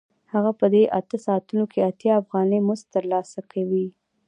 هغه په دې اته ساعتونو کې اتیا افغانۍ مزد ترلاسه کوي